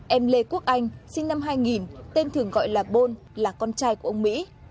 em lê quốc anh sinh năm hai nghìn tên thường gọi là bôn là con trai của ông mỹ